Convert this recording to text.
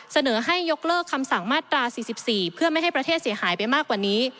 เสนอให้ยกเลิกคำสั่งมาตรา๔๔เพื่อไม่ให้ประเทศเสียหายไปมากกว่านี้